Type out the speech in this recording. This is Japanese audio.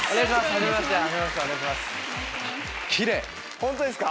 本当ですか！